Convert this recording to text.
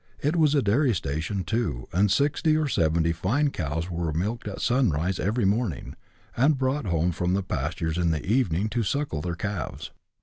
It was a dairy station too, and sixty or seventy fine cows were milked at sunrise every morning, and brought home from the pastures in the evening to suckle their calves.